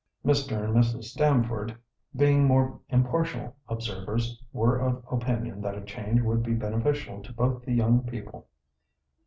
Mr. and Mrs. Stamford, being more impartial observers, were of opinion that a change would be beneficial to both the young people.